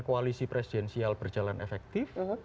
koalisi presidensial berjalan efektif